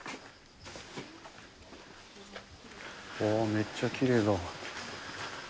めっちゃきれいだ。